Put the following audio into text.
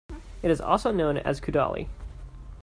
It is also known as Kudali.